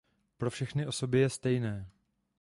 Pro všechny osoby je stejné.